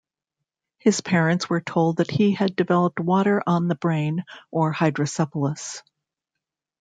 His parents were told that he had developed "water on the brain" or hydrocephalus.